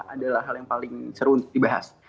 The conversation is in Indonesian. adalah hal yang paling seru untuk dibahas